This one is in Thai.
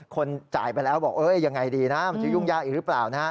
คนจ่ายไปแล้วบอกยังไงดีนะมันจะยุ่งยากอีกหรือเปล่า